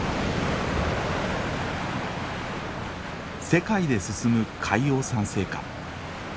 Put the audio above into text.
世界で進む海洋酸性化。